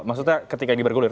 maksudnya ketika ini bergulir